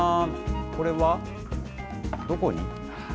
これは？どこに？